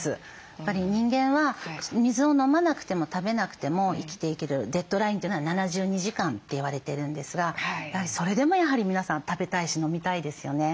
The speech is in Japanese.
やっぱり人間は水を飲まなくても食べなくても生きていけるデッドラインというのは７２時間って言われてるんですがそれでもやはり皆さん食べたいし飲みたいですよね。